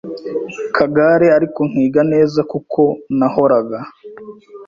kagare ariko nkiga neza kuko nahoraga